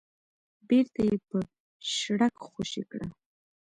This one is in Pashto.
بېرته يې په شړک خوشې کړه.